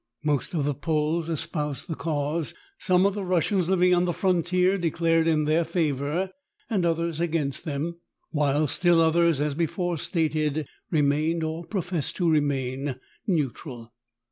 Most of the Poles espoused the cause ; some of the Russians living on the frontier declared in their favor, and others against them ; while still others, as before stated, remained, or professed to remain, neutral.